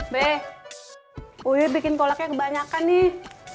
be uyu bikin tolaknya kebanyakan nih